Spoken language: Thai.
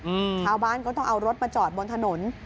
ชาวบ้านก็ต้องเอารถมาจอดบนถนน